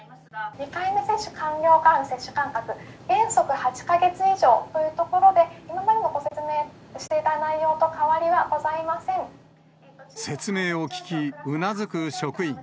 ２回目接種完了からの接種間隔、原則８か月以上というところで今までご説明していた内容と変わり説明を聞き、うなずく職員。